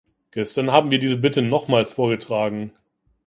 Gestern haben wir diese Bitte nochmals vorgetragen.